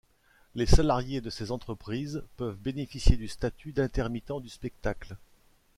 Les salariés de ces entreprises peuvent bénéficier du statut d'intermittent du spectacle.